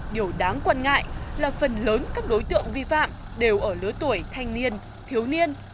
điều đáng quan ngại là phần lớn các đối tượng vi phạm đều ở lứa tuổi thanh niên thiếu niên